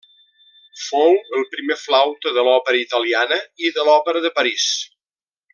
Fou el primer flauta de l'Òpera Italiana i de l’Òpera de París.